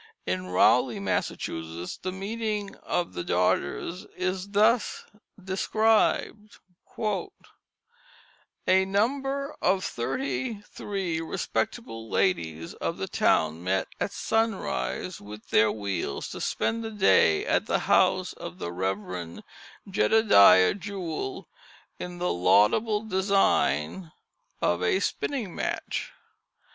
In Rowley, Massachusetts, the meeting of the Daughters is thus described: "A number of thirty three respectable ladies of the town met at sunrise with their wheels to spend the day at the house of the Rev'd Jedediah Jewell, in the laudable design of a spinning match.